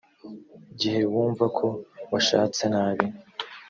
gihe wumva ko washatse nabi